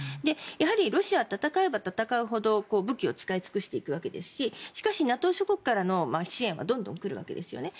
やはりロシアは戦えば戦うほど武器を使い果たしていくわけですししかしＮＡＴＯ諸国からの支援はどんどん来るわけですよね。